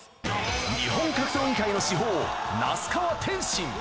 日本格闘技界の至宝、那須川天心。